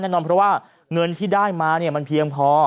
แน่นอนเพราะว่าเงินที่ได้มามันเพียงพอ